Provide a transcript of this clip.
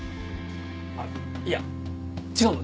あいや違うの！